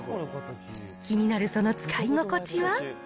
気になるその使い心地は。